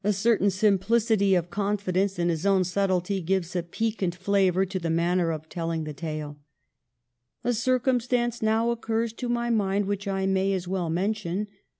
A certain simplicity of confidence in his own subtlety gives a piquant flavor to the manner of telling the tale : "A circumstance now occurs to my mind which I may as well mention.